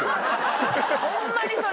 ホンマにそれ。